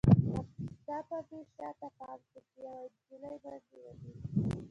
ناڅاپه مې شاته پام شو چې یوه نجلۍ منډې وهي